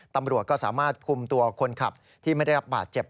ตำรวจก็สามารถคุมตัวคนขับที่ไม่ได้รับบาดเจ็บ